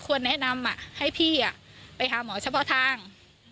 แนะนำให้พี่ไปหาหมอเฉพาะทาง